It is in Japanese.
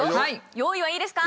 用意はいいですか？